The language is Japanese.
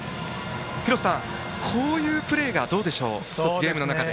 廣瀬さん、こういうプレーがどうでしょう、ゲームの中で。